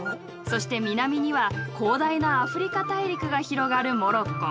そして南には広大なアフリカ大陸が広がるモロッコ。